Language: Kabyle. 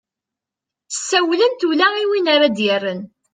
ssawlent ula win ara ad-yerren